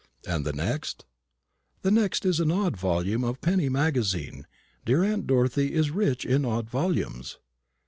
"And the next?" "The next is an odd volume of the Penny Magazine. Dear aunt Dorothy is rich in odd volumes."